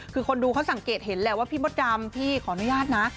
คือคนดูเขาสังเกตเห็นแหละว่าพี่มดดำพี่ขออนุญาตนะ